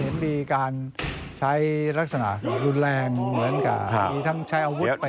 จะเห็นมีการใช้ลักษณะกรุณแรงเหมือนกับ